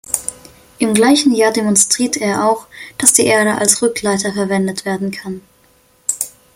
Im gleichen Jahr demonstrierte er auch, dass die Erde als Rückleiter verwendet werden kann.